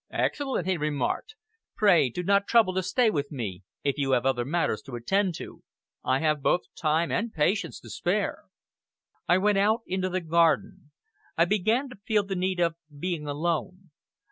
"Excellent!" he remarked. "Pray do not trouble to stay with me, if you have other matters to attend to. I have both time and patience to spare." I went out into the garden. I began to feel the need of being alone.